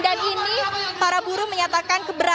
dan ini para buruh menyatakan kebenaran